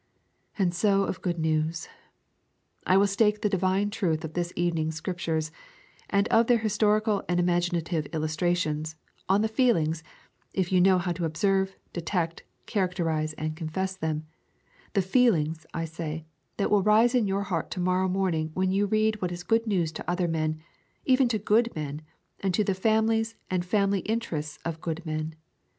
And so of good news. I will stake the divine truth of this evening's Scriptures, and of their historical and imaginative illustrations, on the feelings, if you know how to observe, detect, characterise, and confess them, the feelings, I say, that will rise in your heart to morrow morning when you read what is good news to other men, even to good men, and to the families and family interests of good men.